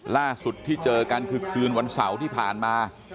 ล่าสุดที่เจอกันคือคืนวันเสาร์ที่ผ่านมา